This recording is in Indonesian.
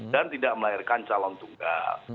dan tidak melahirkan calon tunggal